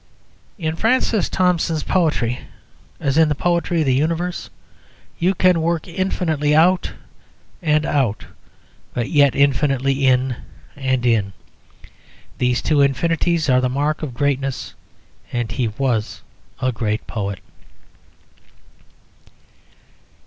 In Francis Thompson's poetry, as in the poetry of the universe, you can work infinitely out and out, but yet infinitely in and in. These two infinities are the mark of greatness; and he was a great poet.